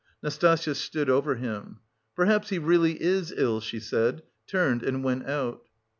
Nastasya stood over him. "Perhaps he really is ill," she said, turned and went out.